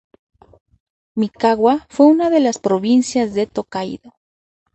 Mikawa fue una de las provincias de Tōkaidō.